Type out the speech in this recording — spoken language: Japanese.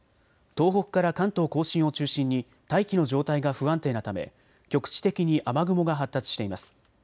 東北から関東甲信を中心に大気の状態が不安定なため局地的に雨雲が発達しています。